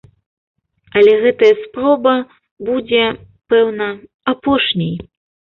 Але гэтая спроба будзе, пэўна, апошняй.